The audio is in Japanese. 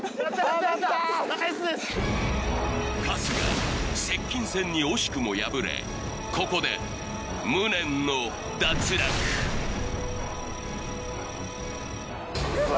当たった春日接近戦に惜しくも敗れここで無念の脱落ウソ！